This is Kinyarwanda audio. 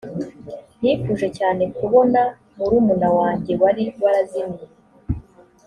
nifuje cyane kubona murumuna wanjye wari warazimiye